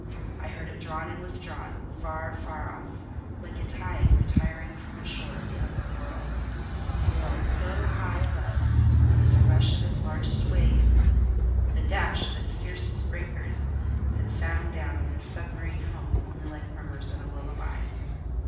I heard it drawn and withdrawn far, far off, like a tide retiring from a shore of the upper world—a world so high above that the rush of its largest waves, the dash of its fiercest breakers, could sound down in this submarine home, only like murmurs and a lullaby.